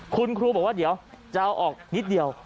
คุณครูบอกว่าเดี๋ยวจะเอาออกนิดเดียว